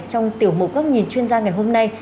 trong tiểu mục góc nhìn chuyên gia ngày hôm nay